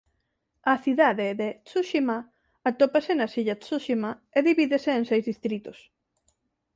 A cidade de Tsushima atópase nas illas Tsushima e divídese en seis distritos.